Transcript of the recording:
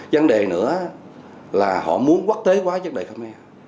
vấn đề nữa là họ muốn quốc tế quá chất đầy khmer